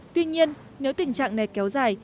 tuy nhiên nếu tình trạng này kéo dài